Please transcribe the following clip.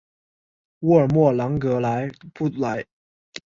沃尔默朗格莱布莱。